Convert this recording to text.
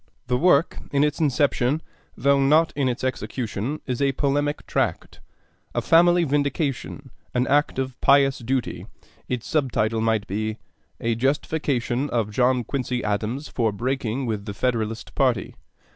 The work in its inception (though not in its execution) is a polemic tract a family vindication, an act of pious duty; its sub title might be, 'A Justification of John Quincy Adams for Breaking with the Federalist Party.'